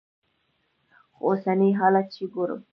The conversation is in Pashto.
خو اوسني حالات چې ګورم.